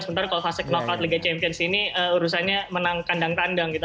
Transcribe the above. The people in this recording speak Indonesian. sementara kalau fase knoc liga champions ini urusannya menang kandang kandang gitu